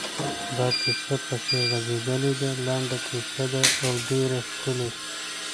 دا کیسه پسې غځېدلې ده، لنډه کیسه ده او ډېره هم ښکلې…